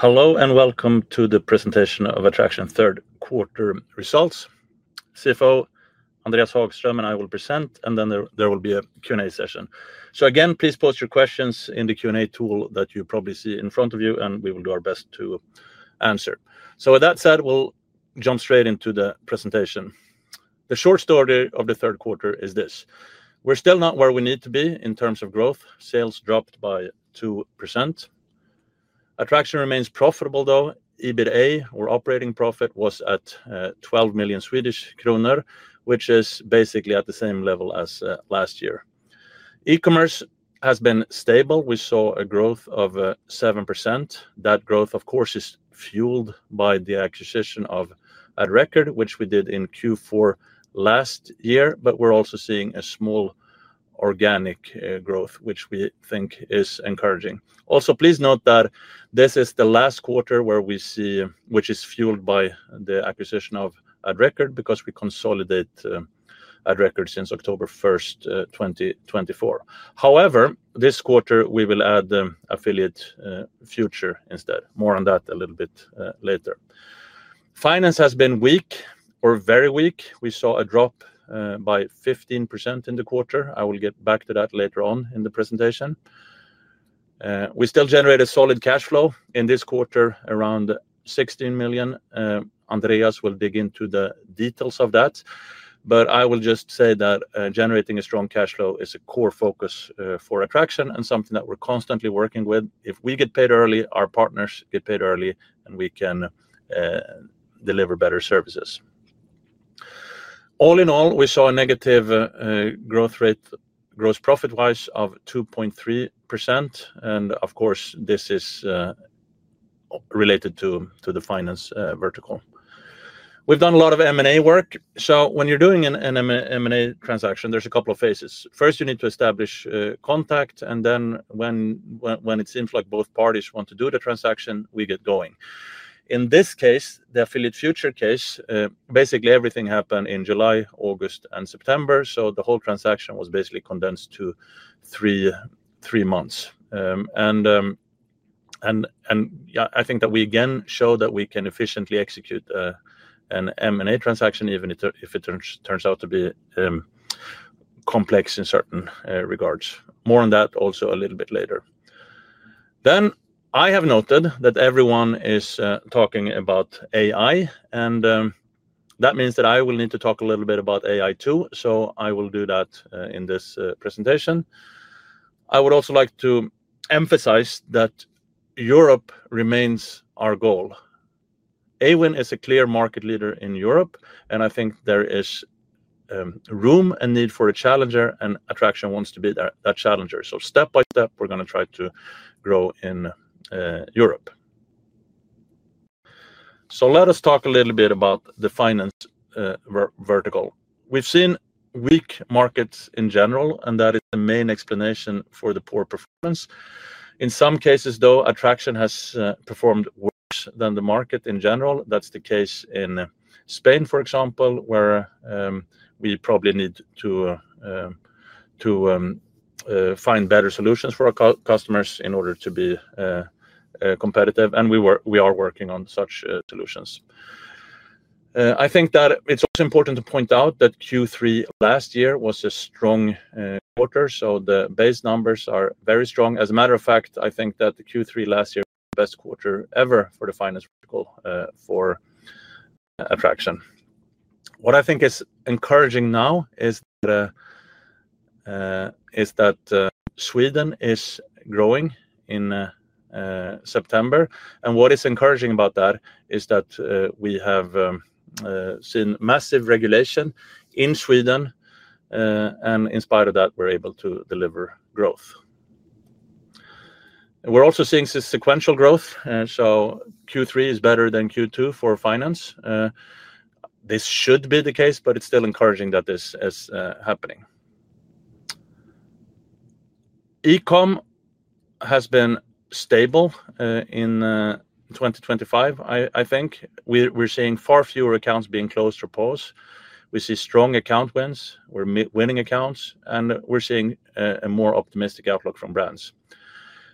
Hello and welcome to the presentation of Adtraction third quarter results. CFO Andreas Hagström and I will present, and then there will be a Q&A session. Please post your questions in the Q&A tool that you probably see in front of you, and we will do our best to answer. With that said, we'll jump straight into the presentation. The short story of the third quarter is this: we're still not where we need to be in terms of growth. Sales dropped by 2%. Adtraction remains profitable, though EBITA, or operating profit, was at 12 million Swedish kronor, which is basically at the same level as last year. E-commerce has been stable. We saw a growth of 7%. That growth, of course, is fueled by the acquisition of Adrecord, which we did in Q4 last year. We're also seeing a small organic growth, which we think is encouraging. Also, please note that this is the last quarter where we see growth which is fueled by the acquisition of Adrecord, because we consolidate Adrecord since October 1st, 2024. However, this quarter we will add Affiliate Future instead. More on that a little bit later. Finance has been weak or very weak. We saw a drop by 15% in the quarter. I will get back to that later on in the presentation. We still generate a solid cash flow in this quarter, around 16 million. Andreas will dig into the details of that. I will just say that generating a strong cash flow is a core focus for Adtraction and something that we're constantly working with. If we get paid early, our partners get paid early, and we can deliver better services. All in all, we saw a negative growth rate, gross profit-wise, of 2.3%. This is related to the finance vertical. We've done a lot of M&A work. When you're doing an M&A transaction, there's a couple of phases. First, you need to establish contact, and then when it seems like both parties want to do the transaction, we get going. In this case, the Affiliate Future case, basically everything happened in July, August, and September. The whole transaction was basically condensed to three months. I think that we again show that we can efficiently execute an M&A transaction, even if it turns out to be complex in certain regards. More on that also a little bit later. I have noted that everyone is talking about AI, and that means that I will need to talk a little bit about AI too. I will do that in this presentation. I would also like to emphasize that Europe remains our goal. Awin is a clear market leader in Europe, and I think there is room and need for a challenger, and Adtraction wants to be that challenger. Step by step, we're going to try to grow in Europe. Let us talk a little bit about the finance. Vertical. We've seen weak markets in general, and that is the main explanation for the poor performance. In some cases, though, Adtraction has performed worse than the market in general. That's the case in Spain, for example, where we probably need to find better solutions for our customers in order to be competitive. We are working on such solutions. I think that it's also important to point out that Q3 last year was a strong quarter. So the base numbers are very strong. As a matter of fact, I think that the Q3 last year was the best quarter ever for the finance vertical for Adtraction. What I think is encouraging now is that Sweden is growing in September. What is encouraging about that is that we have seen massive regulation in Sweden, and in spite of that, we're able to deliver growth. We're also seeing sequential growth. Q3 is better than Q2 for finance. This should be the case, but it's still encouraging that this is happening. E-commerce has been stable in 2025, I think. We're seeing far fewer accounts being closed or paused. We see strong account wins; we're winning accounts, and we're seeing a more optimistic outlook from brands.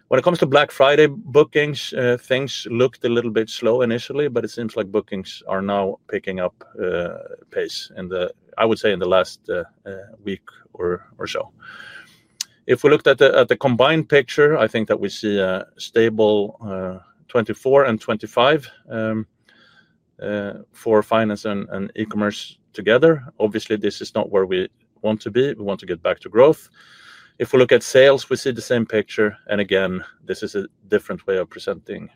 When it comes to Black Friday bookings, things looked a little bit slow initially, but it seems like bookings are now picking up pace, I would say, in the last week or so. If we looked at the combined picture, I think that we see a stable 2024 and 2025 for finance and e-commerce together. Obviously, this is not where we want to be. We want to get back to growth. If we look at sales, we see the same picture. Again, this is a different way of presenting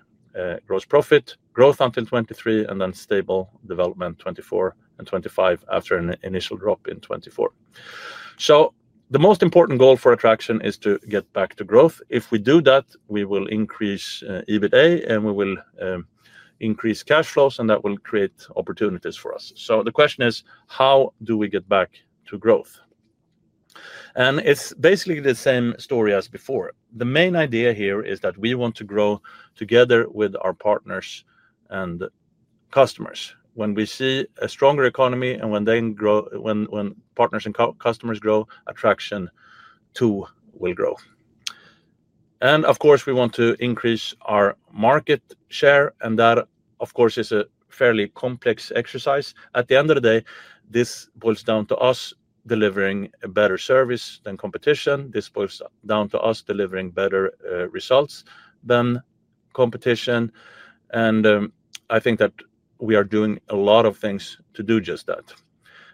gross profit growth until 2023 and then stable development 2024 and 2025 after an initial drop in 2024. The most important goal for Adtraction is to get back to growth. If we do that, we will increase EBITA, and we will increase cash flows, and that will create opportunities for us. The question is, how do we get back to growth? It's basically the same story as before. The main idea here is that we want to grow together with our partners and customers. When we see a stronger economy and when partners and customers grow, Adtraction too will grow. Of course, we want to increase our market share. That, of course, is a fairly complex exercise. At the end of the day, this boils down to us delivering a better service than competition. This boils down to us delivering better results than competition. I think that we are doing a lot of things to do just that.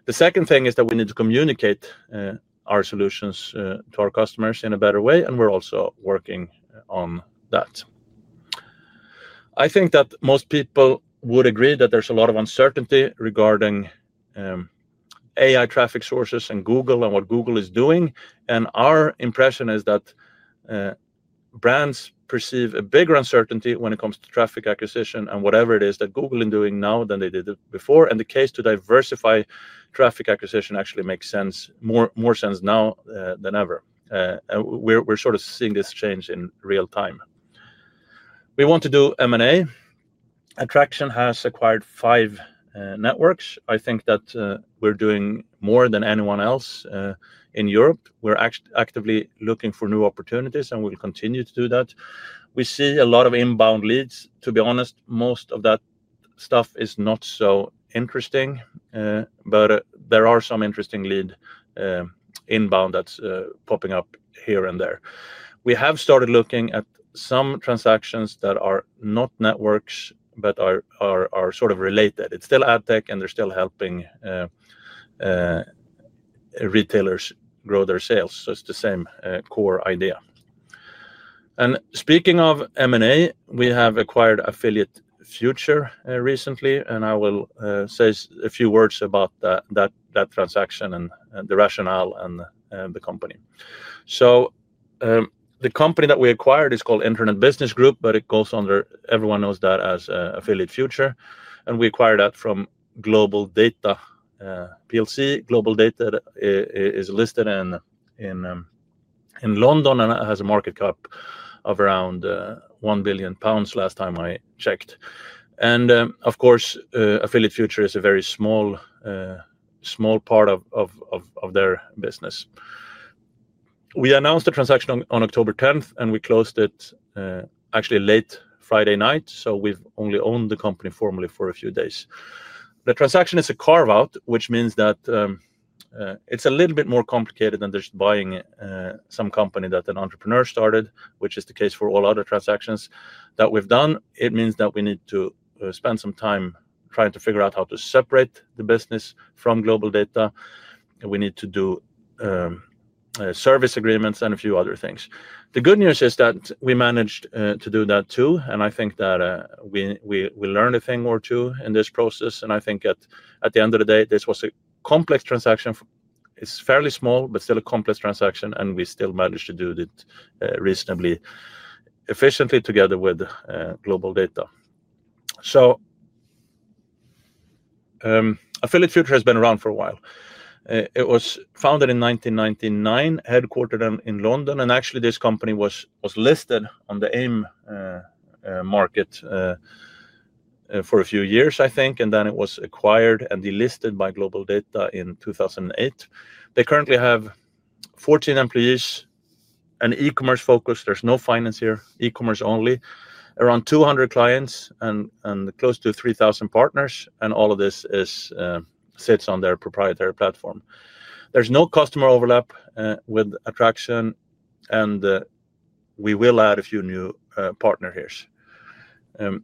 The second thing is that we need to communicate our solutions to our customers in a better way. We're also working on that. I think that most people would agree that there's a lot of uncertainty regarding. AI traffic sources and Google and what Google is doing. Our impression is that brands perceive a bigger uncertainty when it comes to traffic acquisition and whatever it is that Google is doing now than they did before. The case to diversify traffic acquisition actually makes more sense now than ever. We're sort of seeing this change in real time. We want to do M&A. Adtraction has acquired five networks. I think that we're doing more than anyone else in Europe. We're actively looking for new opportunities, and we'll continue to do that. We see a lot of inbound leads. To be honest, most of that stuff is not so interesting, but there are some interesting leads inbound that's popping up here and there. We have started looking at some transactions that are not networks but are sort of related. It's still Adtech, and they're still helping retailers grow their sales. It is the same core idea. Speaking of M&A, we have acquired Affiliate Future recently. I will say a few words about that transaction and the rationale and the company. The company that we acquired is called Internet Business Group, but it goes under, everyone knows that as Affiliate Future. We acquired that from GlobalData. GlobalData is listed in London and has a market cap of around 1 billion pounds last time I checked. Of course, Affiliate Future is a very small part of their business. We announced the transaction on October 10th, and we closed it actually late Friday night. We've only owned the company formally for a few days. The transaction is a carve-out, which means that it's a little bit more complicated than just buying some company that an entrepreneur started, which is the case for all other transactions that we've done. It means that we need to spend some time trying to figure out how to separate the business from GlobalData. We need to do service agreements and a few other things. The good news is that we managed to do that too. I think that we learned a thing or two in this process. I think at the end of the day, this was a complex transaction. It's fairly small, but still a complex transaction. We still managed to do it reasonably efficiently together with GlobalData. Affiliate Future has been around for a while. It was founded in 1999, headquartered in London. Actually, this company was listed on the AIM market for a few years, I think, and then it was acquired and delisted by GlobalData in 2008. They currently have 14 employees, an e-commerce focus. There's no finance here, e-commerce only, around 200 clients and close to 3,000 partners. All of this sits on their proprietary platform. There's no customer overlap with Adtraction. We will add a few new partners here.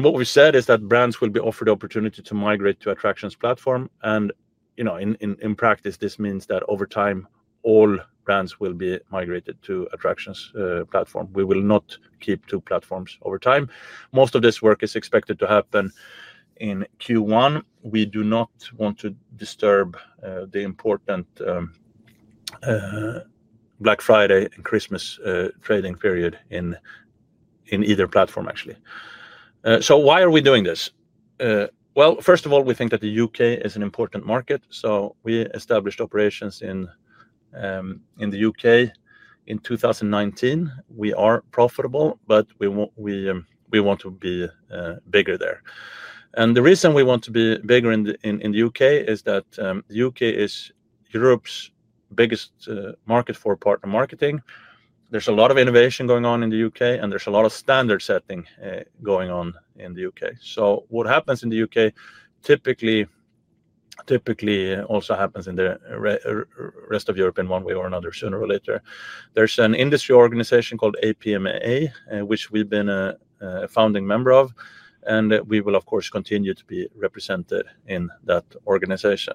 What we said is that brands will be offered the opportunity to migrate to Adtraction's platform. In practice, this means that over time, all brands will be migrated to Adtraction's platform. We will not keep two platforms over time. Most of this work is expected to happen in Q1. We do not want to disturb the important Black Friday and Christmas trading period in either platform, actually. Why are we doing this? First of all, we think that the U.K. is an important market. We established operations in the U.K. in 2019. We are profitable, but we want to be bigger there. The reason we want to be bigger in the U.K. is that the U.K. is Europe's biggest market for partner marketing. There is a lot of innovation going on in the U.K., and there is a lot of standard setting going on in the U.K. What happens in the U.K. typically also happens in the rest of Europe in one way or another, sooner or later. There is an industry organization called APMA, which we have been a founding member of. We will, of course, continue to be represented in that organization.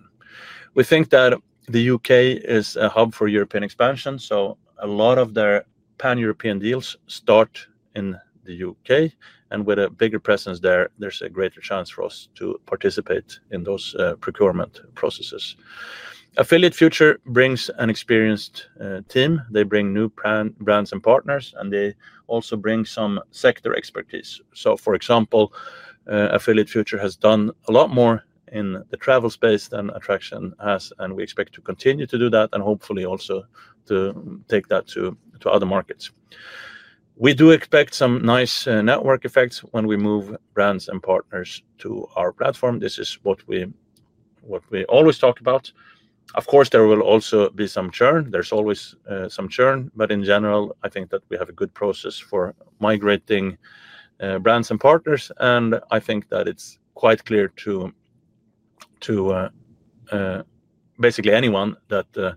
We think that the U.K. is a hub for European expansion. A lot of pan-European deals start in the U.K., and with a bigger presence there, there is a greater chance for us to participate in those procurement processes. Affiliate Future brings an experienced team. They bring new brands and partners, and they also bring some sector expertise. For example, Affiliate Future has done a lot more in the travel space than Adtraction has. We expect to continue to do that and hopefully also to take that to other markets. We do expect some nice network effects when we move brands and partners to our platform. This is what we always talk about. Of course, there will also be some churn. There is always some churn. In general, I think that we have a good process for migrating brands and partners. I think that it is quite clear to basically anyone that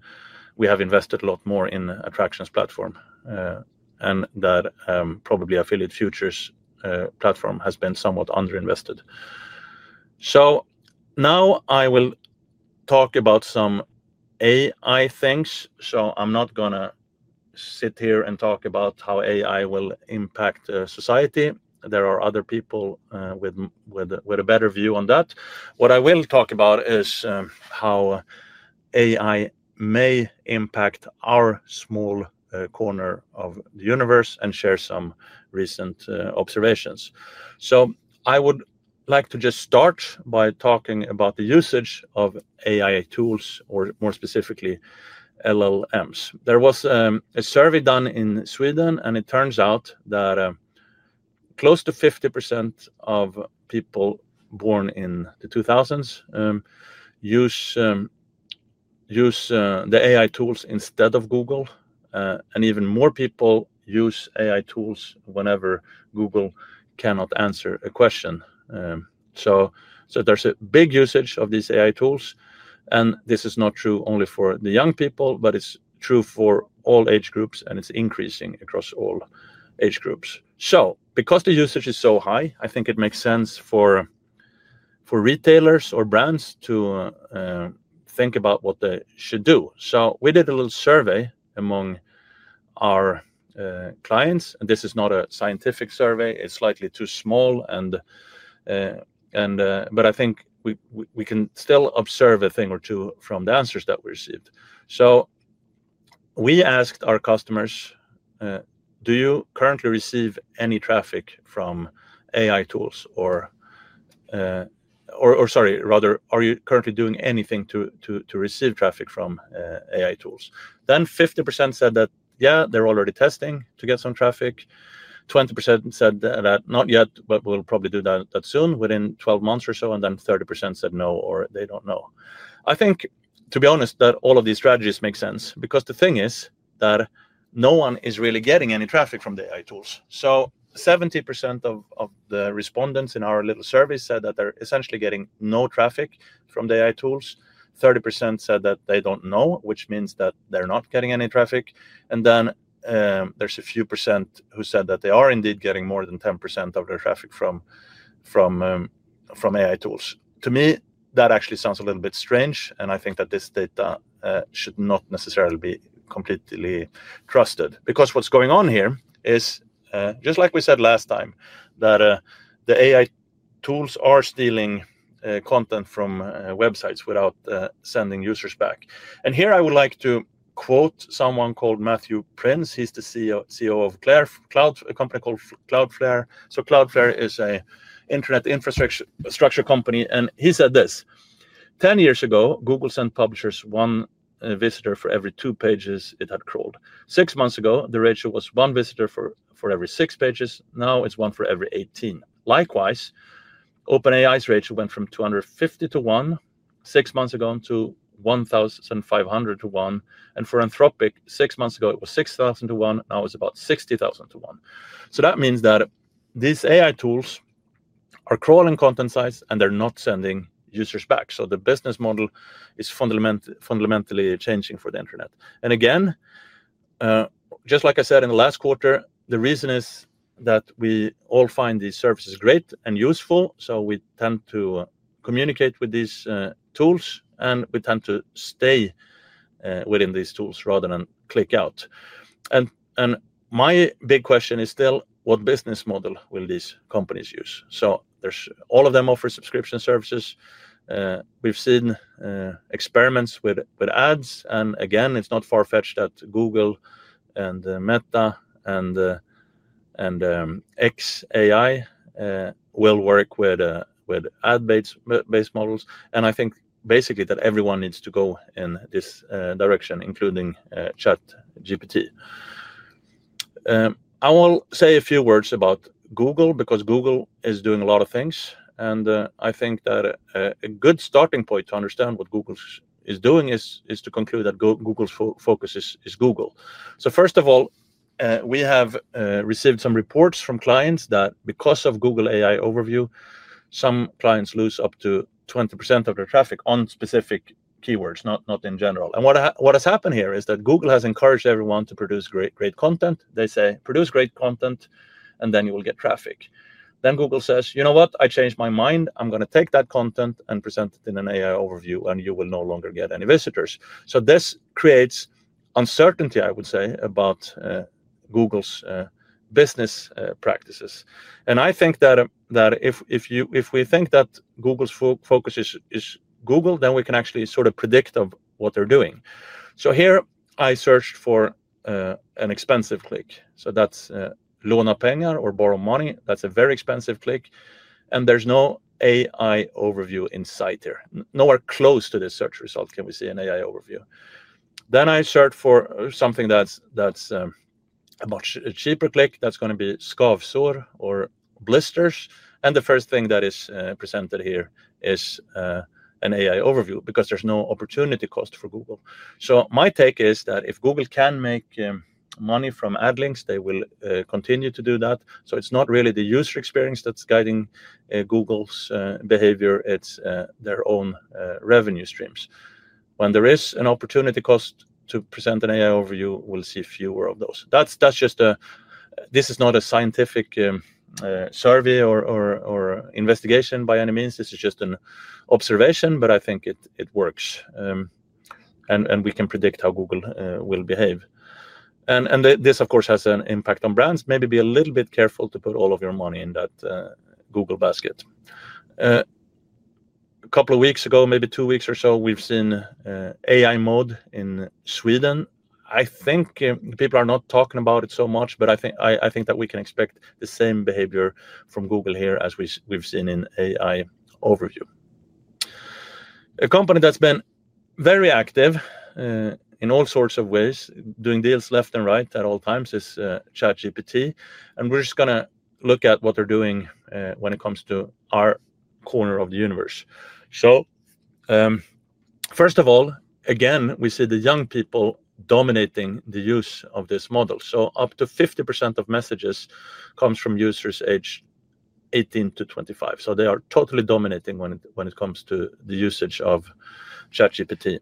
we have invested a lot more in Adtraction's platform, and that probably Affiliate Future's platform has been somewhat underinvested. Now I will talk about some AI things. I am not going to sit here and talk about how AI will impact society. There are other people with a better view on that. What I will talk about is how AI may impact our small corner of the universe and share some recent observations. I would like to just start by talking about the usage of AI tools, or more specifically, LLMs. There was a survey done in Sweden, and it turns out that close to 50% of people born in the 2000s use the AI tools instead of Google. Even more people use AI tools whenever Google cannot answer a question. There is a big usage of these AI tools. This is not true only for young people, but it is true for all age groups, and it is increasing across all age groups. Because the usage is so high, I think it makes sense for retailers or brands to think about what they should do. We did a little survey among our clients. This is not a scientific survey. It is slightly too small, but I think we can still observe a thing or two from the answers that we received. We asked our customers, "Do you currently receive any traffic from AI tools?" Or, sorry, rather, "Are you currently doing anything to receive traffic from AI tools?" Then 50% said that, "Yeah, they are already testing to get some traffic." 20% said that, "Not yet, but we will probably do that soon, within 12 months or so." 30% said no, or they do not know. I think, to be honest, that all of these strategies make sense. The thing is that no one is really getting any traffic from the AI tools. 70% of the respondents in our little survey said that they are essentially getting no traffic from the AI tools. 30% said that they do not know, which means that they are not getting any traffic. There is a few percent who said that they are indeed getting more than 10% of their traffic from AI tools. To me, that actually sounds a little bit strange. I think that this data should not necessarily be completely trusted. What is going on here is, just like we said last time, that the AI tools are stealing content from websites without sending users back. Here, I would like to quote someone called Matthew Prince. He is the CEO of a company called Cloudflare. Cloudflare is an internet infrastructure company. He said this: "10 years ago, Google sent publishers one visitor for every two pages it had crawled. Six months ago, the ratio was one visitor for every six pages. Now it is one for every 18." Likewise, OpenAI's ratio went from 250 to 1 six months ago to 1,500 to 1. For Anthropic, six months ago, it was 6,000 to 1. Now it is about 60,000 to 1. That means that these AI tools are crawling content sites, and they are not sending users back. The business model is fundamentally changing for the internet. Just like I said in the last quarter, the reason is that we all find these services great and useful. We tend to communicate with these tools, and we tend to stay within these tools rather than click out. My big question is still, what business model will these companies use? All of them offer subscription services. We have seen experiments with ads. It is not far-fetched that Google and Meta and xAI will work with ad-based models. I think basically that everyone needs to go in this direction, including ChatGPT. I will say a few words about Google because Google is doing a lot of things. I think that a good starting point to understand what Google is doing is to conclude that Google's focus is Google. First of all, we have received some reports from clients that because of Google AI Overview, some clients lose up to 20% of their traffic on specific keywords, not in general. What has happened here is that Google has encouraged everyone to produce great content. They say, "Produce great content, and then you will get traffic." Then Google says, "You know what? I changed my mind. I'm going to take that content and present it in an AI Overview, and you will no longer get any visitors." This creates uncertainty, I would say, about Google's business practices. I think that if we think that Google's focus is Google, then we can actually sort of predict what they're doing. Here, I searched for an expensive click. That's "låna pengar" or borrow money. That's a very expensive click. There is no AI Overview in sight here. Nowhere close to this search result can we see an AI Overview. I searched for something that's a much cheaper click. That's going to be "skavsor" or blisters. The first thing that is presented here is an AI Overview because there's no opportunity cost for Google. My take is that if Google can make money from ad links, they will continue to do that. It's not really the user experience that's guiding Google's behavior. It's their own revenue streams. When there is an opportunity cost to present an AI Overview, we'll see fewer of those. This is not a scientific survey or investigation by any means. This is just an observation. I think it works. We can predict how Google will behave. This, of course, has an impact on brands. Maybe be a little bit careful to put all of your money in that Google basket. A couple of weeks ago, maybe two weeks or so, we've seen AI mode in Sweden. I think people are not talking about it so much, but I think that we can expect the same behavior from Google here as we've seen in AI Overview. A company that's been very active in all sorts of ways, doing deals left and right at all times, is ChatGPT. We're just going to look at what they're doing when it comes to our corner of the universe. First of all, again, we see the young people dominating the use of this model. Up to 50% of messages come from users aged 18 to 25. They are totally dominating when it comes to the usage of ChatGPT.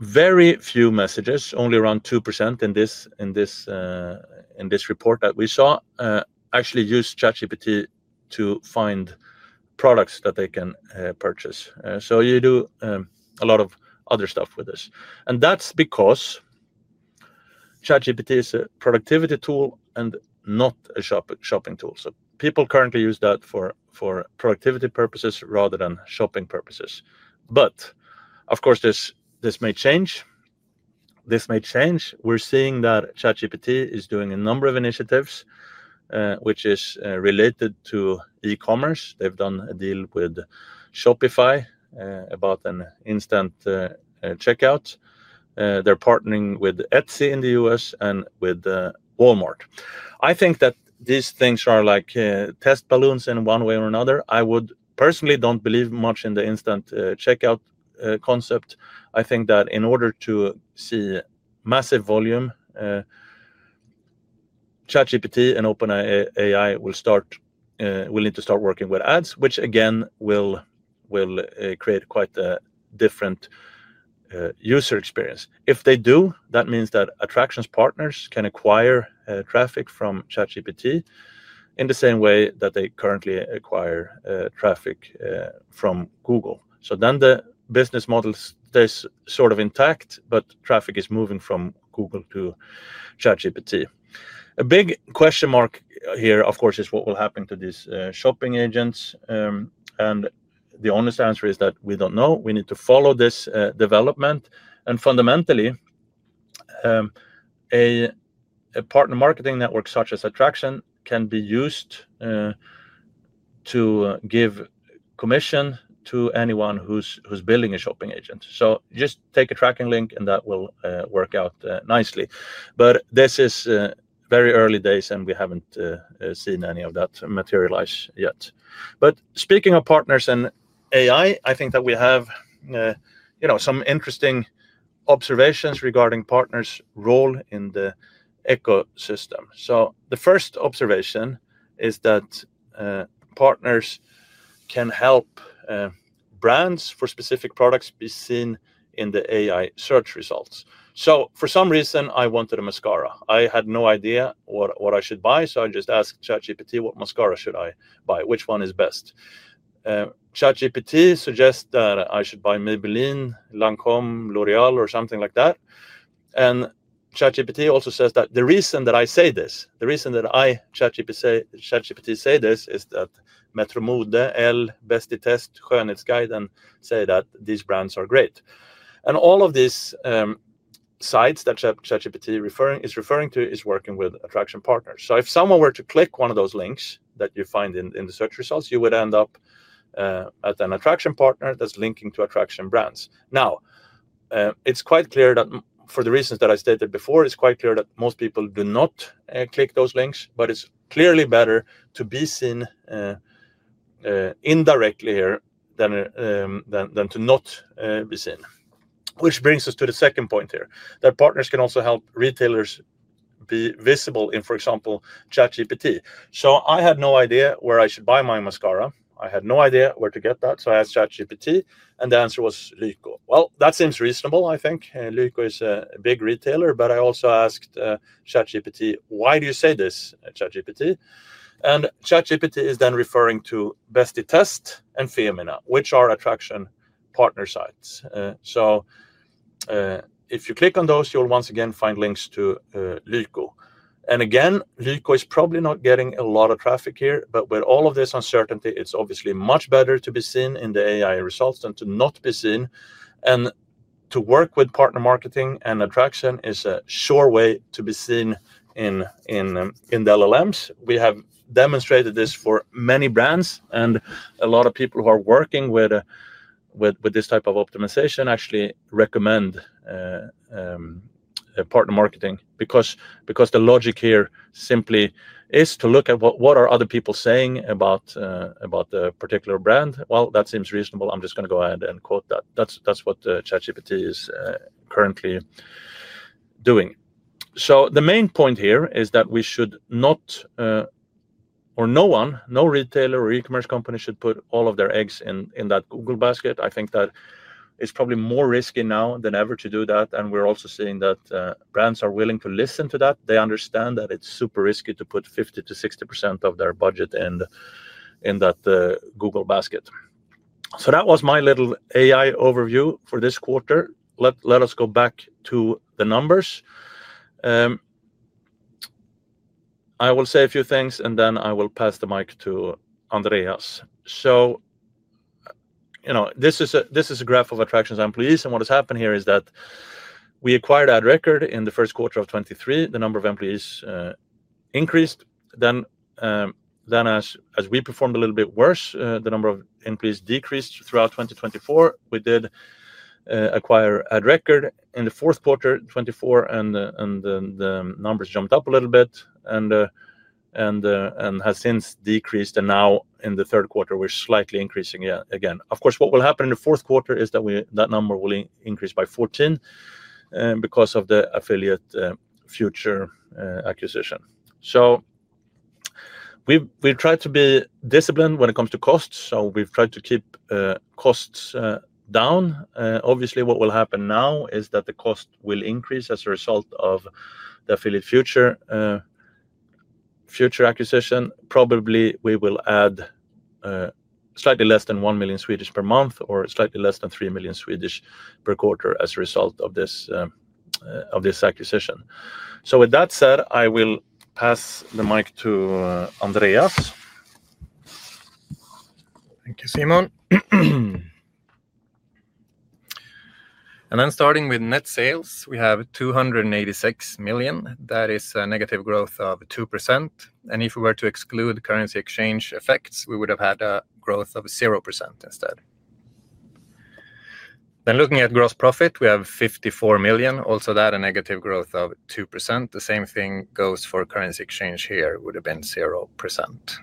Very few messages, only around 2% in this report that we saw, actually use ChatGPT to find products that they can purchase. You do a lot of other stuff with this. That is because ChatGPT is a productivity tool and not a shopping tool. People currently use that for productivity purposes rather than shopping purposes. Of course, this may change. This may change. We are seeing that ChatGPT is doing a number of initiatives which is related to e-commerce. They have done a deal with Shopify about an instant checkout. They are partnering with Etsy in the U.S. and with Walmart. I think that these things are like test balloons in one way or another. I personally do not believe much in the instant checkout concept. I think that in order to see massive volume, ChatGPT and OpenAI will need to start working with ads, which again will create quite a different user experience. If they do, that means that Adtraction's partners can acquire traffic from ChatGPT in the same way that they currently acquire traffic from Google. The business model stays sort of intact, but traffic is moving from Google to ChatGPT. A big question mark here, of course, is what will happen to these shopping agents. The honest answer is that we do not know. We need to follow this development. Fundamentally, a partner marketing network such as Adtraction can be used to give commission to anyone who is building a shopping agent. Just take a tracking link, and that will work out nicely. This is very early days, and we have not seen any of that materialize yet. Speaking of partners and AI, I think that we have some interesting observations regarding partners' role in the ecosystem. The first observation is that partners can help brands for specific products be seen in the AI search results. For some reason, I wanted a mascara. I had no idea what I should buy. I just asked ChatGPT, "What mascara should I buy? Which one is best?" ChatGPT suggests that I should buy Maybelline, Lancôme, L'Oréal, or something like that. ChatGPT also says that the reason that I say this, the reason that I, ChatGPT, say this, is that Metromode, Elle, Bestitest, Skönhetsguiden say that these brands are great. All of these sites that ChatGPT is referring to is working with Adtraction partners. If someone were to click one of those links that you find in the search results, you would end up at an Adtraction partner that is linking to Adtraction brands. It is quite clear that for the reasons that I stated before, it is quite clear that most people do not click those links. It is clearly better to be seen indirectly here than to not be seen. This brings us to the second point here, that partners can also help retailers be visible in, for example, ChatGPT. I had no idea where I should buy my mascara. I had no idea where to get that. I asked ChatGPT, and the answer was Lyko. That seems reasonable, I think. Lyko is a big retailer. But I also asked ChatGPT, "Why do you say this, ChatGPT?" And ChatGPT is then referring to Bestitest and Femina, which are Adtraction partner sites. If you click on those, you'll once again find links to Lyko. Lyko is probably not getting a lot of traffic here. With all of this uncertainty, it's obviously much better to be seen in the AI results than to not be seen. To work with partner marketing and Adtraction is a sure way to be seen in the LLMs. We have demonstrated this for many brands. A lot of people who are working with this type of optimization actually recommend partner marketing. The logic here simply is to look at what are other people saying about the particular brand. That seems reasonable. I'm just going to go ahead and quote that. That's what ChatGPT is currently doing. The main point here is that we should not, or no one, no retailer or e-commerce company should put all of their eggs in that Google basket. I think that it's probably more risky now than ever to do that. We're also seeing that brands are willing to listen to that. They understand that it's super risky to put 50%-60% of their budget in that Google basket. That was my little AI Overview for this quarter. Let us go back to the numbers. I will say a few things, and then I will pass the mic to Andreas. This is a graph of Adtraction's employees. What has happened here is that we acquired Adrecord in the first quarter of 2023. The number of employees increased. As we performed a little bit worse, the number of employees decreased throughout 2024. We did acquire Adrecord in the fourth quarter 2024, and the numbers jumped up a little bit and have since decreased. Now, in the third quarter, we're slightly increasing again. Of course, what will happen in the fourth quarter is that that number will increase by 14% because of the Affiliate Future acquisition. We've tried to be disciplined when it comes to costs. We've tried to keep costs down. Obviously, what will happen now is that the cost will increase as a result of the Affiliate Future acquisition. Probably we will add slightly less than 1 million per month or slightly less than 3 million per quarter as a result of this acquisition. With that said, I will pass the mic to Andreas. Thank you, Simon. Starting with net sales, we have 286 million. That is a negative growth of 2%. If we were to exclude currency exchange effects, we would have had a growth of 0% instead. Looking at gross profit, we have 54 million. Also that, a negative growth of 2%. The same thing goes for currency exchange here. It would have been 0%.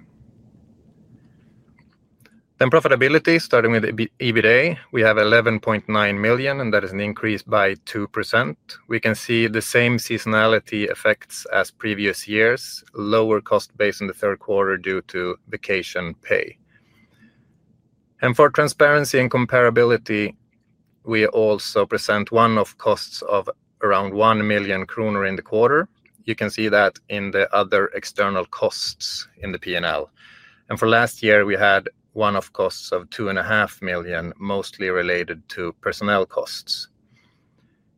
Profitability, starting with EBITDA, we have 11.9 million, and that is an increase by 2%. We can see the same seasonality effects as previous years, lower cost base in the third quarter due to vacation pay. For transparency and comparability, we also present one-off costs of around 1 million kronor in the quarter. You can see that in the other external costs in the P&L. For last year, we had one-off costs of 2.5 million, mostly related to personnel costs.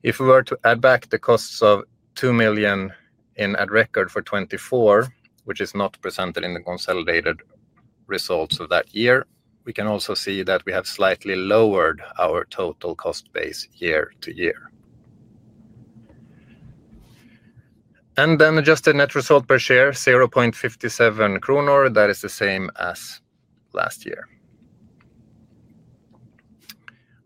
If we were to add back the costs of 2 million in Adrecord for 2024, which is not presented in the consolidated results of that year, we can also see that we have slightly lowered our total cost base year-to-year. Adjusted net result per share, 0.57 kronor. That is the same as last year.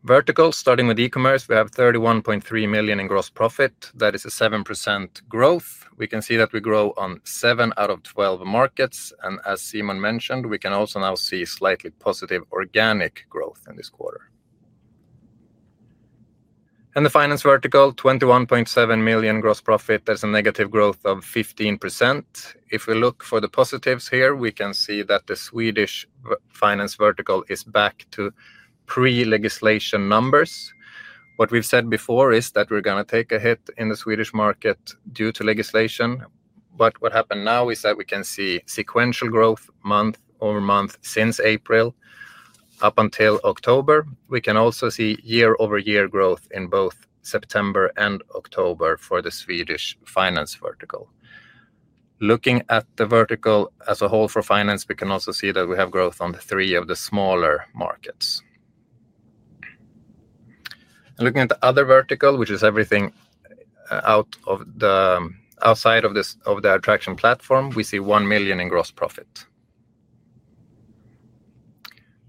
Verticals, starting with e-commerce, we have 31.3 million in gross profit. That is a 7% growth. We can see that we grow on 7 out of 12 markets. As Simon mentioned, we can also now see slightly positive organic growth in this quarter. The finance vertical, 21.7 million gross profit. That is a negative growth of 15%. If we look for the positives here, we can see that the Swedish finance vertical is back to pre-legislation numbers. What we have said before is that we are going to take a hit in the Swedish market due to legislation. What happened now is that we can see sequential growth month over month since April up until October. We can also see year-over-year growth in both September and October for the Swedish finance vertical. Looking at the vertical as a whole for finance, we can also see that we have growth on three of the smaller markets. Looking at the other vertical, which is everything outside of the Adtraction platform, we see 1 million in gross profit.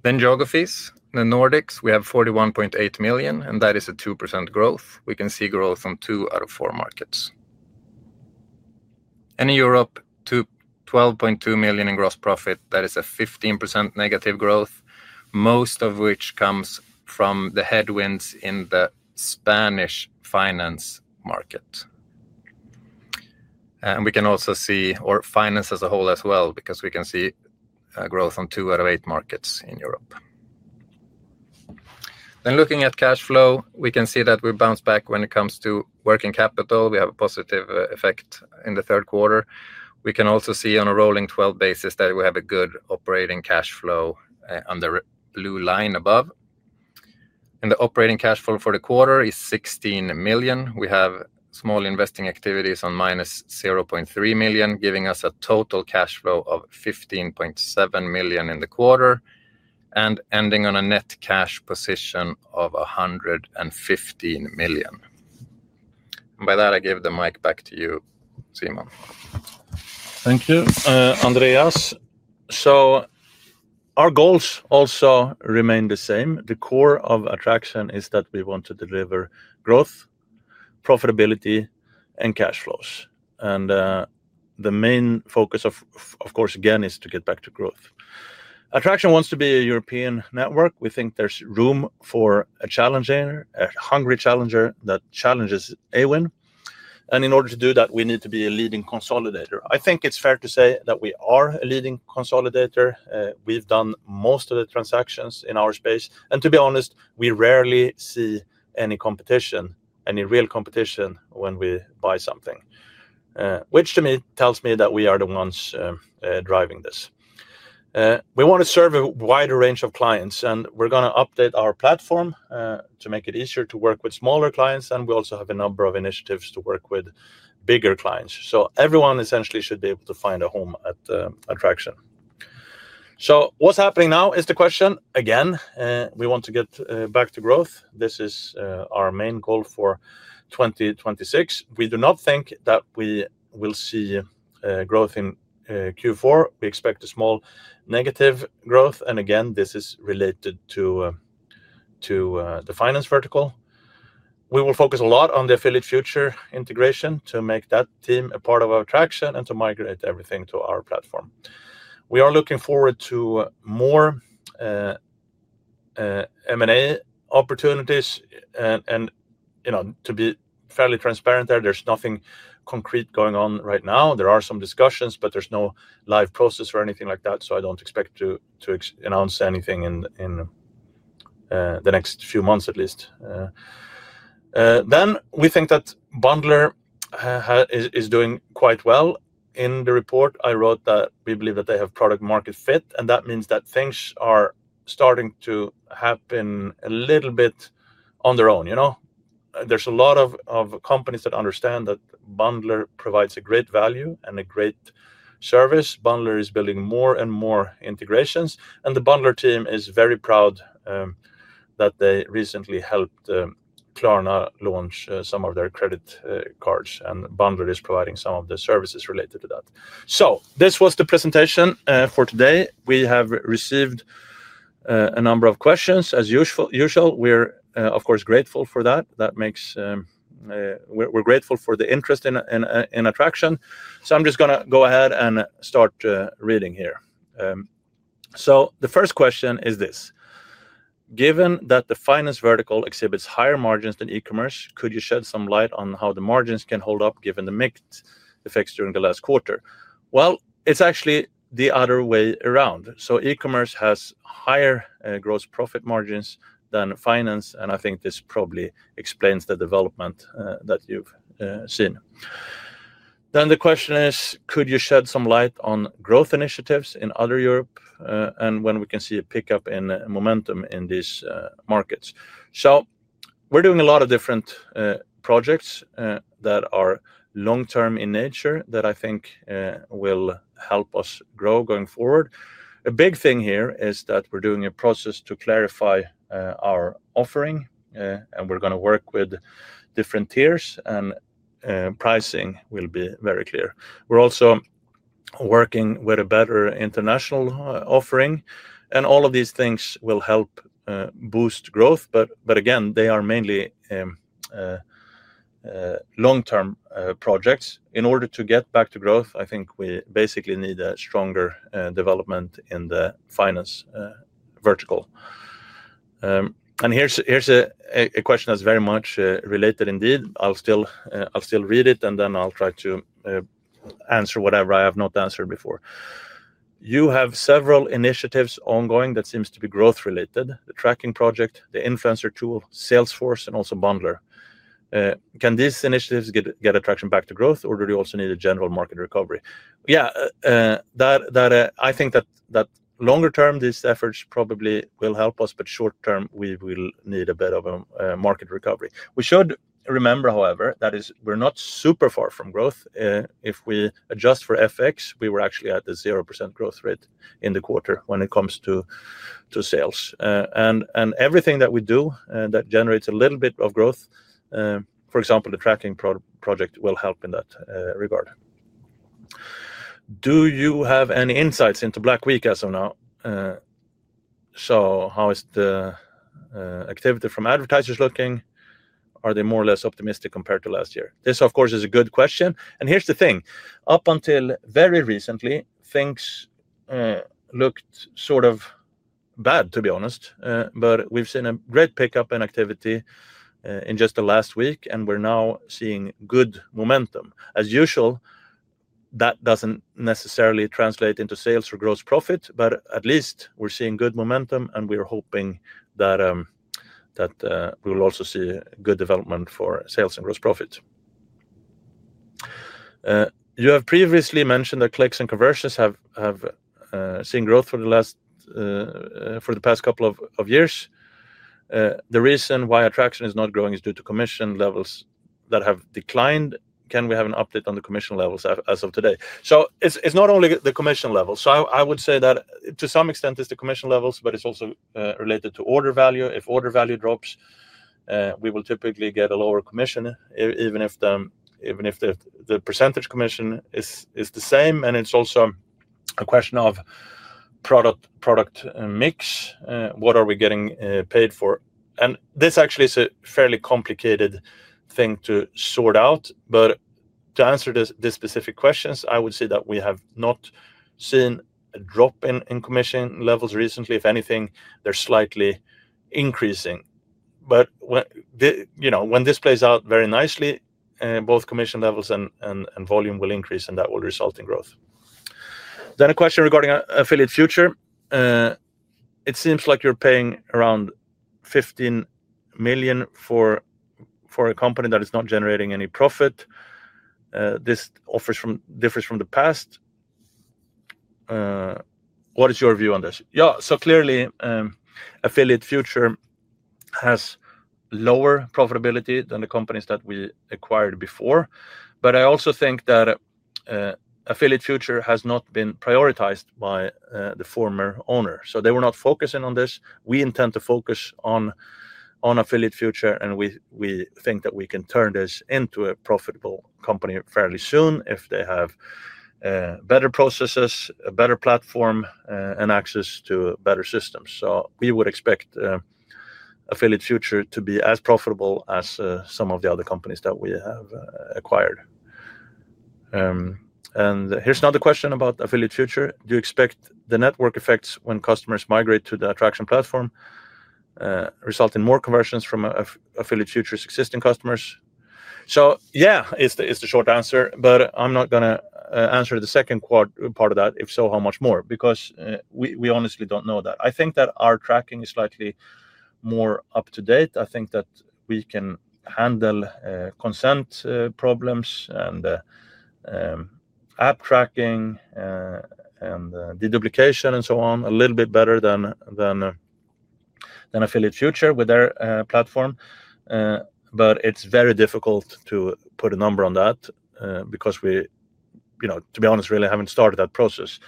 Geographies, the Nordics, we have 41.8 million, and that is a 2% growth. We can see growth on two out of four markets. In Europe, 12.2 million in gross profit. That is a 15% negative growth, most of which comes from the headwinds in the Spanish finance market. We can also see finance as a whole as well, because we can see growth on two out of eight markets in Europe. Looking at cash flow, we can see that we bounce back when it comes to working capital. We have a positive effect in the third quarter. We can also see on a rolling 12 basis that we have a good operating cash flow on the blue line above. The operating cash flow for the quarter is 16 million. We have small investing activities on -0.3 million, giving us a total cash flow of 15.7 million in the quarter and ending on a net cash position of 115 million. By that, I give the mic back to you, Simon. Thank you, Andreas. Our goals also remain the same. The core of Adtraction is that we want to deliver growth, profitability, and cash flows. The main focus, of course, again, is to get back to growth. Adtraction wants to be a European network. We think there's room for a hungry challenger that challenges Awin. In order to do that, we need to be a leading consolidator. I think it's fair to say that we are a leading consolidator. We've done most of the transactions in our space. To be honest, we rarely see any competition, any real competition when we buy something, which to me tells me that we are the ones driving this. We want to serve a wider range of clients, and we're going to update our platform to make it easier to work with smaller clients. We also have a number of initiatives to work with bigger clients. Everyone essentially should be able to find a home at Adtraction. What's happening now is the question. Again, we want to get back to growth. This is our main goal for 2026. We do not think that we will see growth in Q4. We expect a small negative growth. Again, this is related to the finance vertical. We will focus a lot on the Affiliate Future integration to make that team a part of our Adtraction and to migrate everything to our platform. We are looking forward to more M&A opportunities. To be fairly transparent there, there's nothing concrete going on right now. There are some discussions, but there's no live process or anything like that. I don't expect to announce anything in the next few months, at least. We think that Bundler is doing quite well. In the report, I wrote that we believe that they have product-market fit, and that means that things are starting to happen a little bit on their own. There's a lot of companies that understand that Bundler provides a great value and a great service. Bundler is building more and more integrations, and the Bundler team is very proud that they recently helped Klarna launch some of their credit cards. Bundler is providing some of the services related to that. This was the presentation for today. We have received a number of questions, as usual. We're, of course, grateful for that. We're grateful for the interest in Adtraction. I'm just going to go ahead and start reading here. The first question is this. Given that the finance vertical exhibits higher margins than e-commerce, could you shed some light on how the margins can hold up given the mixed effects during the last quarter? It's actually the other way around. E-commerce has higher gross profit margins than finance, and I think this probably explains the development that you've seen. The question is, could you shed some light on growth initiatives in other Europe and when we can see a pickup in momentum in these markets? We are doing a lot of different projects that are long-term in nature that I think will help us grow going forward. A big thing here is that we are doing a process to clarify our offering. We are going to work with different tiers, and pricing will be very clear. We are also working with a better international offering, and all of these things will help boost growth. They are mainly long-term projects. In order to get back to growth, I think we basically need a stronger development in the finance vertical. Here is a question that is very much related indeed. I will still read it, and then I will try to answer whatever I have not answered before. You have several initiatives ongoing that seem to be growth-related: the tracking project, the influencer tool, Salesforce, and also Bundler. Can these initiatives get Adtraction back to growth, or do you also need a general market recovery? Yeah, I think that longer term, these efforts probably will help us. Short term, we will need a bit of a market recovery. We should remember, however, that we are not super far from growth. If we adjust for FX, we were actually at the 0% growth rate in the quarter when it comes to sales. Everything that we do that generates a little bit of growth, for example, the tracking project, will help in that regard. Do you have any insights into Black Week as of now? How is the activity from advertisers looking? Are they more or less optimistic compared to last year? This is a good question. Here is the thing. Up until very recently, things looked sort of bad, to be honest. We have seen a great pickup in activity in just the last week, and we are now seeing good momentum. As usual, that does not necessarily translate into sales or gross profit, but at least we are seeing good momentum, and we are hoping that we will also see good development for sales and gross profits. You have previously mentioned that clicks and conversions have seen growth for the past couple of years. The reason why Adtraction is not growing is due to commission levels that have declined. Can we have an update on the commission levels as of today? It is not only the commission levels. I would say that to some extent it is the commission levels, but it is also related to order value. If order value drops, we will typically get a lower commission, even if the percentage commission is the same. It is also a question of product mix. What are we getting paid for? This actually is a fairly complicated thing to sort out. To answer this specific question, I would say that we have not seen a drop in commission levels recently. If anything, they're slightly increasing. When this plays out very nicely, both commission levels and volume will increase, and that will result in growth. A question regarding Affiliate Future. It seems like you're paying around 15 million for a company that is not generating any profit. This differs from the past. What is your view on this? Yeah. Clearly, Affiliate Future has lower profitability than the companies that we acquired before. I also think that Affiliate Future has not been prioritized by the former owner. They were not focusing on this. We intend to focus on Affiliate Future, and we think that we can turn this into a profitable company fairly soon if they have better processes, a better platform, and access to better systems. We would expect Affiliate Future to be as profitable as some of the other companies that we have acquired. Here's another question about Affiliate Future. Do you expect the network effects when customers migrate to the Adtraction platform to result in more conversions from Affiliate Future's existing customers? Yeah, is the short answer, but I'm not going to answer the second part of that. If so, how much more? Because we honestly do not know that. I think that our tracking is slightly more up to date. I think that we can handle consent problems and app tracking and deduplication and so on a little bit better than Affiliate Future with their platform. It is very difficult to put a number on that because we, to be honest, really have not started that process.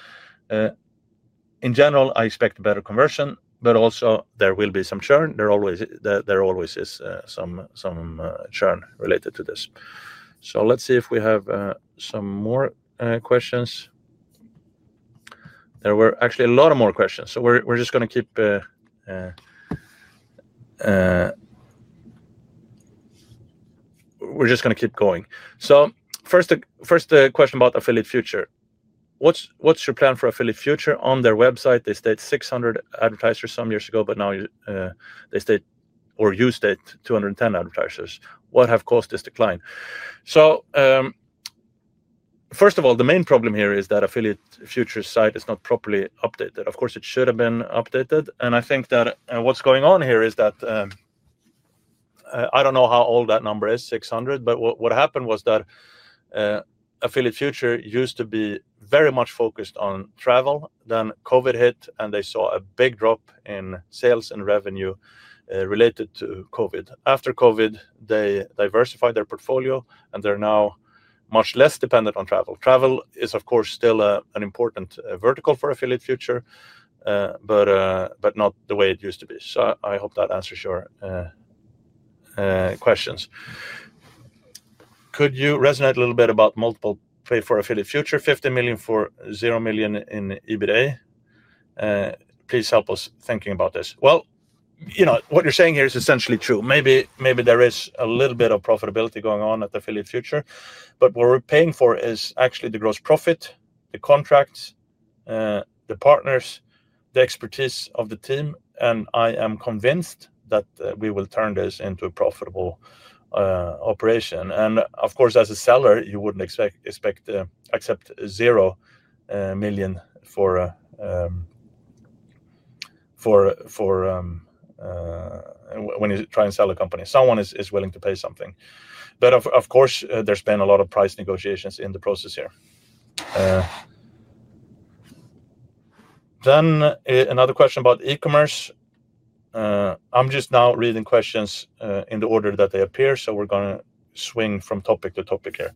In general, I expect better conversion, but also there will be some churn. There always is some churn related to this. Let's see if we have some more questions. There were actually a lot more questions. We're just going to keep going. First, the question about Affiliate Future. What's your plan for Affiliate Future? On their website, they state 600 advertisers some years ago, but now they state, or you state, 210 advertisers. What has caused this decline? First of all, the main problem here is that Affiliate Future's site is not properly updated. Of course, it should have been updated. I think that what's going on here is that I do not know how old that number is, 600, but what happened was that Affiliate Future used to be very much focused on travel. Then COVID hit, and they saw a big drop in sales and revenue related to COVID. After COVID, they diversified their portfolio, and they're now much less dependent on travel. Travel is, of course, still an important vertical for Affiliate Future, but not the way it used to be. I hope that answers your questions. Could you resonate a little bit about multiple pay for Affiliate Future, 50 million for 0 million in EBITDA? Please help us thinking about this. What you're saying here is essentially true. Maybe there is a little bit of profitability going on at Affiliate Future, but what we're paying for is actually the gross profit, the contracts, the partners, the expertise of the team, and I am convinced that we will turn this into a profitable operation. Of course, as a seller, you wouldn't expect to accept 0 million for when you try and sell a company. Someone is willing to pay something. Of course, there's been a lot of price negotiations in the process here. Another question about e-commerce. I'm just now reading questions in the order that they appear, so we're going to swing from topic to topic here.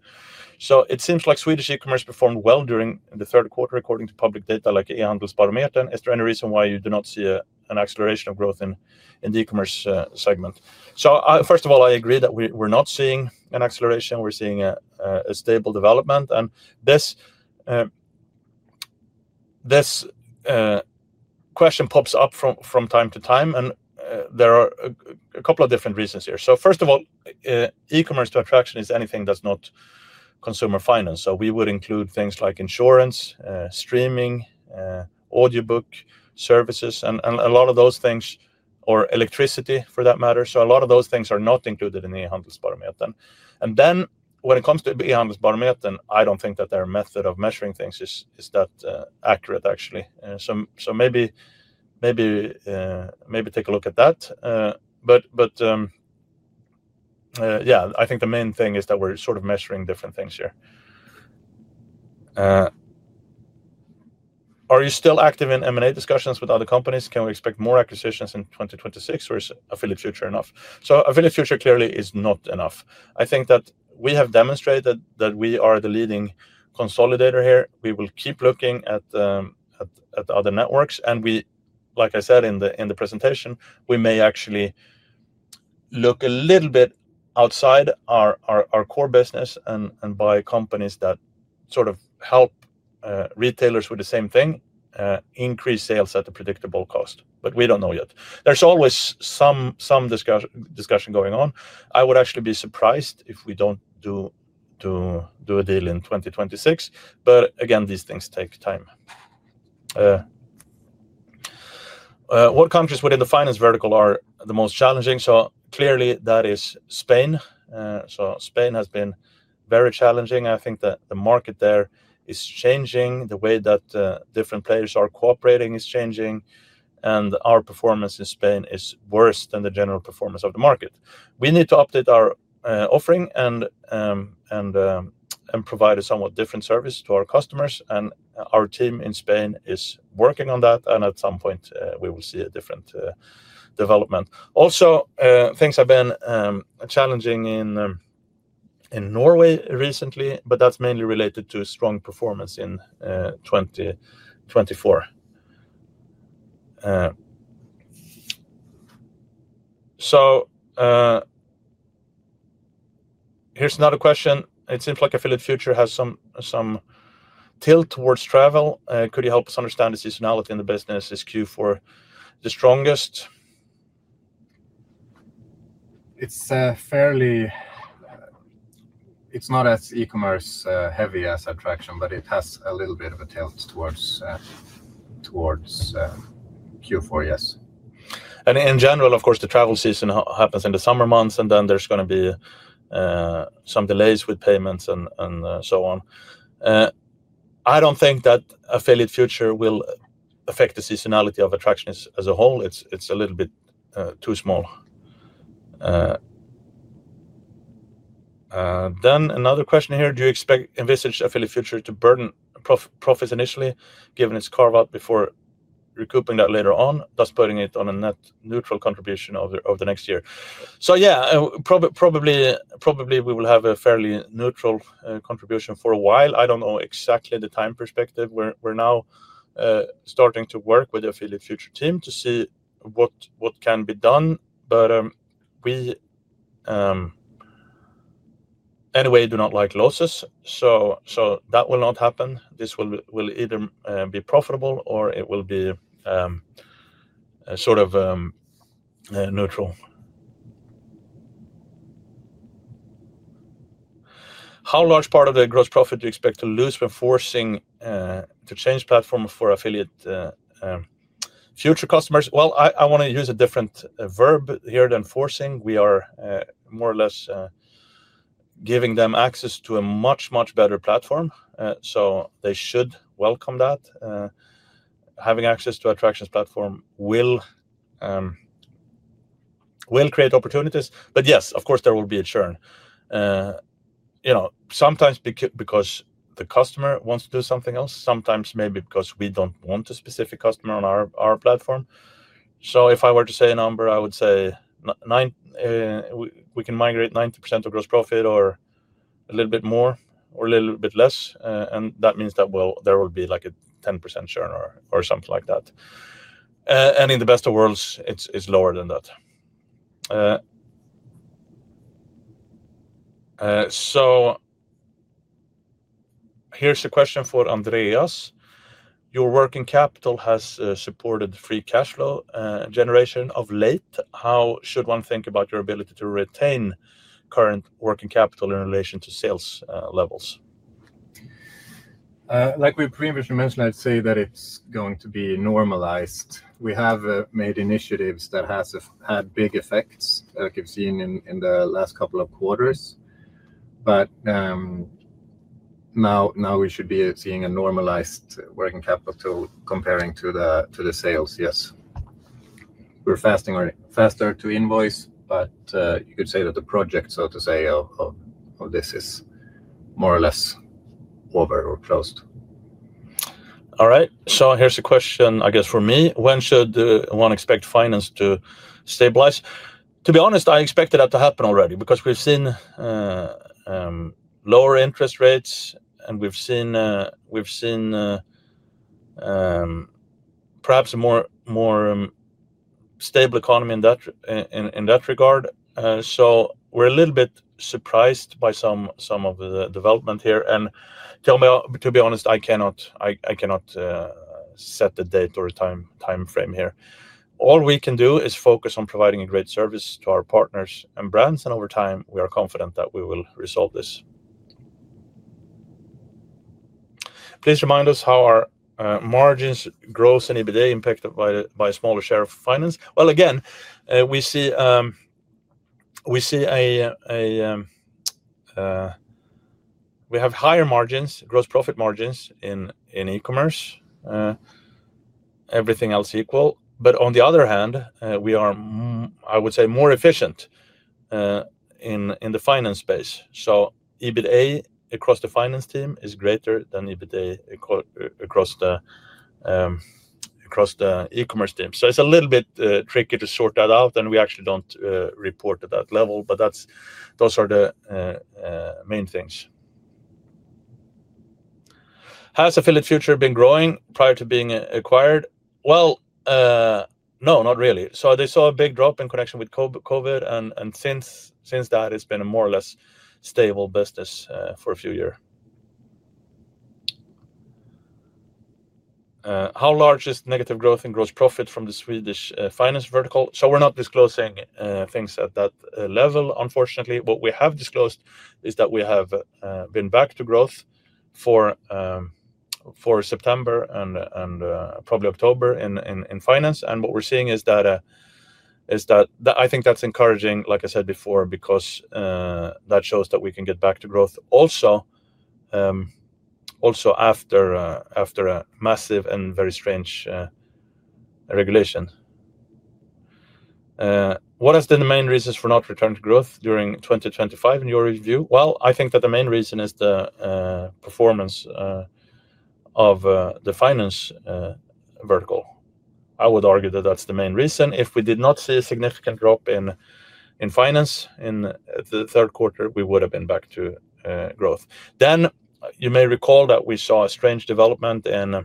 It seems like Swedish e-commerce performed well during the third quarter, according to public data like E-handelsbarometern. Is there any reason why you do not see an acceleration of growth in the e-commerce segment? First of all, I agree that we're not seeing an acceleration. We're seeing a stable development. This question pops up from time to time, and there are a couple of different reasons here. First of all, e-commerce to Adtraction is anything that's not consumer finance. We would include things like insurance, streaming, audiobook services, and a lot of those things, or electricity for that matter. A lot of those things are not included in the E-handelsbarometern. When it comes to E-handelsbarometern, I don't think that their method of measuring things is that accurate, actually. Maybe take a look at that. I think the main thing is that we're sort of measuring different things here. Are you still active in M&A discussions with other companies? Can we expect more acquisitions in 2026, or is Affiliate Future enough? Affiliate Future clearly is not enough. I think that we have demonstrated that we are the leading consolidator here. We will keep looking at other networks. Like I said in the presentation, we may actually look a little bit outside our core business and buy companies that sort of help retailers with the same thing, increase sales at a predictable cost. We don't know yet. There's always some discussion going on. I would actually be surprised if we don't do a deal in 2026. Again, these things take time. What countries within the finance vertical are the most challenging? Clearly, that is Spain. Spain has been very challenging. I think that the market there is changing. The way that different players are cooperating is changing. Our performance in Spain is worse than the general performance of the market. We need to update our offering and provide a somewhat different service to our customers. Our team in Spain is working on that. At some point, we will see a different development. Also, things have been challenging in Norway recently, but that's mainly related to strong performance in 2024. Here's another question. It seems like Affiliate Future has some. Tilt towards travel. Could you help us understand the seasonality in the business? Is Q4 the strongest? It's not as e-commerce heavy as Adtraction, but it has a little bit of a tilt towards Q4, yes. In general, of course, the travel season happens in the summer months, and then there's going to be some delays with payments and so on. I don't think that Affiliate Future will affect the seasonality of Adtraction as a whole. It's a little bit too small. Another question here. Do you envisage Affiliate Future to burden profits initially, given its carve-out before recouping that later on, thus putting it on a net neutral contribution over the next year? Yeah, probably we will have a fairly neutral contribution for a while. I don't know exactly the time perspective. We're now starting to work with the Affiliate Future team to see what can be done. We, anyway, do not like losses. That will not happen. This will either be profitable or it will be sort of neutral. How large part of the gross profit do you expect to lose when forcing to change platform for Affiliate Future customers? I want to use a different verb here than forcing. We are more or less giving them access to a much, much better platform. They should welcome that. Having access to Adtraction's platform will create opportunities. Yes, of course, there will be a churn. Sometimes because the customer wants to do something else, sometimes maybe because we don't want a specific customer on our platform. If I were to say a number, I would say we can migrate 90% of gross profit or a little bit more or a little bit less. That means that there will be like a 10% churn or something like that. In the best of worlds, it's lower than that. Here's a question for Andreas. Your working capital has supported free cash flow generation of late. How should one think about your ability to retain current working capital in relation to sales levels? Like we previously mentioned, I'd say that it's going to be normalized. We have made initiatives that have had big effects, like you've seen in the last couple of quarters. Now we should be seeing a normalized working capital comparing to the sales, yes. We're faster to invoice, but you could say that the project, so to say, of this is more or less over or closed. All right. Here's a question, I guess, for me. When should one expect finance to stabilize? To be honest, I expected that to happen already because we've seen lower interest rates, and we've seen perhaps a more stable economy in that regard. We're a little bit surprised by some of the development here. To be honest, I cannot set the date or time frame here. All we can do is focus on providing a great service to our partners and brands. Over time, we are confident that we will resolve this. Please remind us how our margins grow in EBITDA impacted by a smaller share of finance. Again, we see. We have higher margins, gross profit margins in e-commerce, everything else equal. On the other hand, I would say we are more efficient in the finance space. EBITDA across the finance team is greater than EBITDA across the e-commerce team. It is a little bit tricky to sort that out, and we actually do not report at that level. Those are the main things. Has Affiliate Future been growing prior to being acquired? No, not really. They saw a big drop in connection with COVID, and since that, it has been a more or less stable business for a few years. How large is negative growth in gross profit from the Swedish finance vertical? We are not disclosing things at that level, unfortunately. What we have disclosed is that we have been back to growth for September and probably October in finance. What we are seeing is that, I think that is encouraging, like I said before, because that shows that we can get back to growth also after a massive and very strange regulation. What has been the main reasons for not returned to growth during 2025 in your review? I think that the main reason is the performance of the finance vertical. I would argue that is the main reason. If we did not see a significant drop in finance in the third quarter, we would have been back to growth. You may recall that we saw a strange development in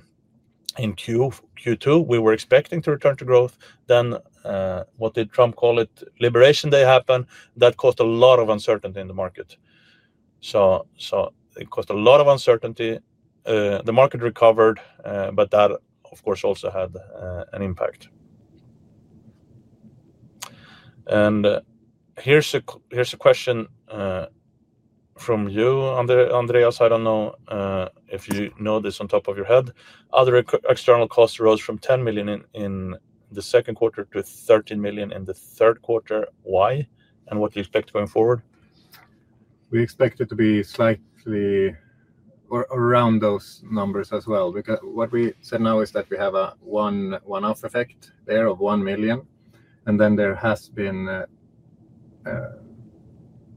Q2. We were expecting to return to growth. What did Trump call it? Liberation Day happened. That caused a lot of uncertainty in the market. It caused a lot of uncertainty. The market recovered, but that, of course, also had an impact. Here is a question from you, Andreas. I do not know if you know this on top of your head. Other external costs rose from 10 million in the second quarter to 13 million in the third quarter. Why? What do you expect going forward? We expect it to be slightly around those numbers as well. What we said now is that we have a one-off effect there of 1 million. There has been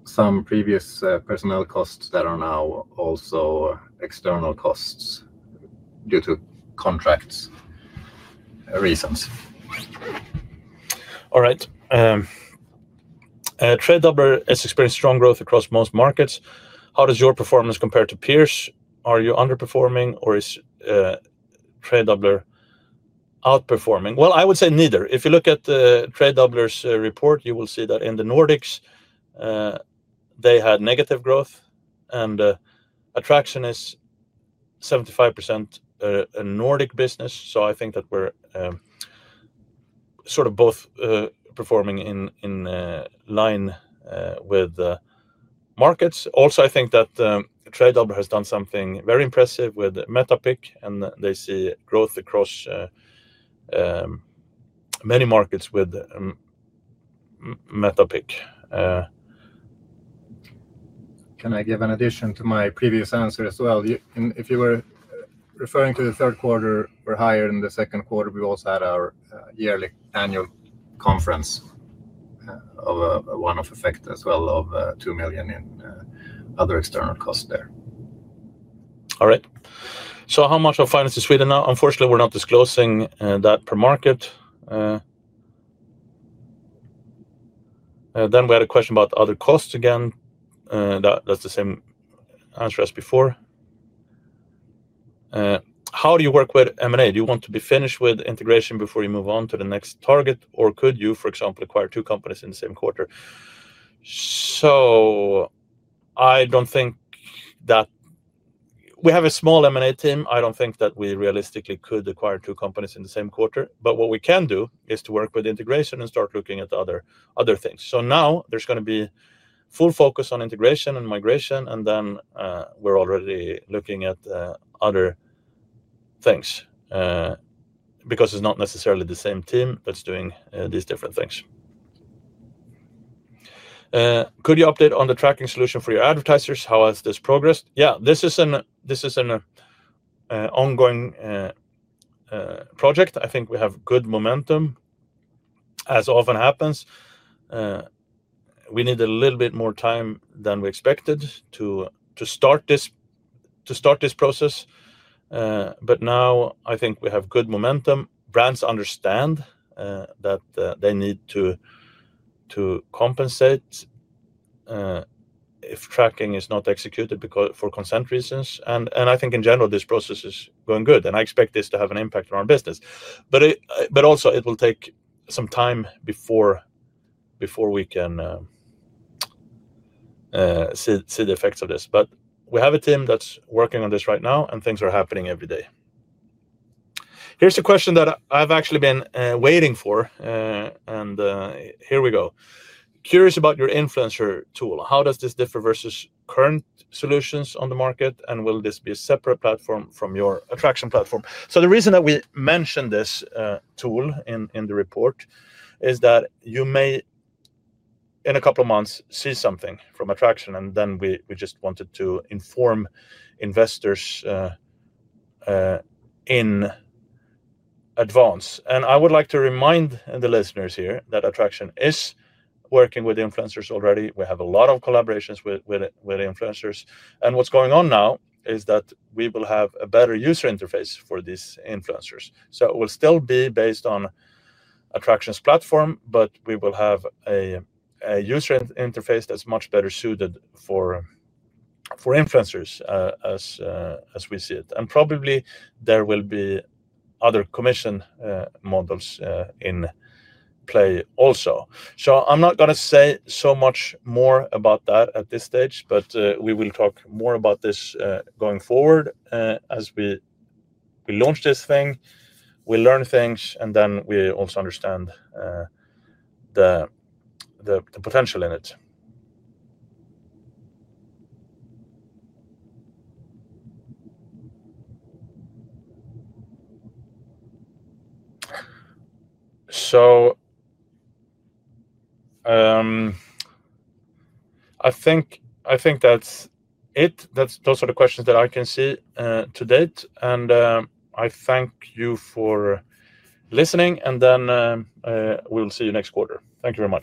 some previous personnel costs that are now also external costs due to contracts reasons. TradeDoubler has experienced strong growth across most markets. How does your performance compare to peers? Are you underperforming, or is TradeDoubler outperforming? I would say neither. If you look at TradeDoubler's report, you will see that in the Nordics, they had negative growth. Adtraction is 75% a Nordic business. I think that we are sort of both performing in line with markets. Also, I think that Tradedoubler has done something very impressive with Metapic. They see growth across many markets with Metapic. Can I give an addition to my previous answer as well? If you were referring to the third quarter or higher in the second quarter, we also had our yearly annual conference. Of a one-off effect as well of 2 million in other external costs there. All right. How much of finance in Sweden? Unfortunately, we're not disclosing that per market. Then we had a question about other costs again. That's the same answer as before. How do you work with M&A? Do you want to be finished with integration before you move on to the next target, or could you, for example, acquire two companies in the same quarter? I don't think that we have a small M&A team. I don't think that we realistically could acquire two companies in the same quarter. What we can do is to work with integration and start looking at other things. Now there's going to be full focus on integration and migration. We're already looking at other things. It is not necessarily the same team that's doing these different things. Could you update on the tracking solution for your advertisers? How has this progressed? Yeah, this is an ongoing project. I think we have good momentum. As often happens, we need a little bit more time than we expected to start this process. Now I think we have good momentum. Brands understand that they need to compensate if tracking is not executed for consent reasons. I think in general, this process is going good. I expect this to have an impact on our business. It will take some time before we can see the effects of this. We have a team that's working on this right now, and things are happening every day. Here's a question that I've actually been waiting for. Here we go. Curious about your influencer tool. How does this differ versus current solutions on the market? Will this be a separate platform from your Adtraction platform? The reason that we mentioned this tool in the report is that you may in a couple of months see something from Adtraction. We just wanted to inform investors in advance. I would like to remind the listeners here that Adtraction is working with influencers already. We have a lot of collaborations with influencers. What's going on now is that we will have a better user interface for these influencers. It will still be based on Adtraction's platform, but we will have a user interface that's much better suited for influencers as we see it. Probably there will be other commission models in play also. I'm not going to say so much more about that at this stage, but we will talk more about this going forward as we launch this thing. We learn things, and then we also understand the potential in it. I think that's it. Those are the questions that I can see to date. I thank you for listening. We'll see you next quarter. Thank you very much.